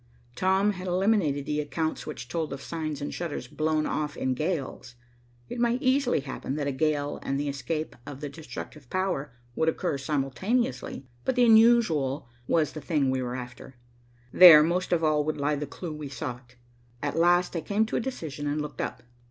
Tom had eliminated the accounts which told of signs and shutters blown off in gales. It might easily happen that a gale and the escape of the destructive power would occur simultaneously, but the unusual was the thing we were after; there, most of all, would lie the clue we sought. At last I came to a decision and looked up.